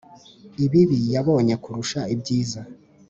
ibibi yabonye kurusha ibyiza.